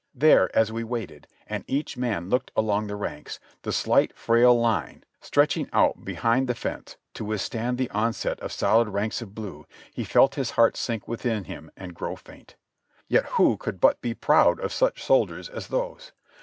There as we waited and each man looked along the ranks, the slight frail line, stretching out behind the fence to withstand the onset of solid ranks of blue, he felt his heart sink within him and grow faint. Yet who could but be proud of such soldiers as those?